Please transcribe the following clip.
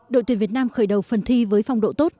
đội tuyển việt nam khởi đầu phần thi với phong độ tốt